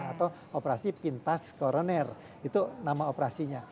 atau operasi pintas koroner itu nama operasinya